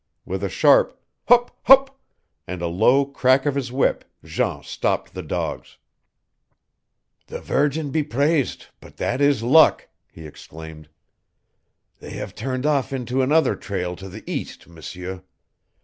With a sharp "hup, hup," and a low crack of his whip Jean stopped the dogs. "The Virgin be praised, but that is luck!" he exclaimed. "They have turned off into another trail to the east, M'seur.